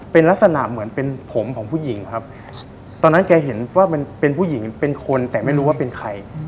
เป็นลักษณะเหมือนเป็นผมของผู้หญิงครับตอนนั้นแกเห็นว่ามันเป็นผู้หญิงเป็นคนแต่ไม่รู้ว่าเป็นใคร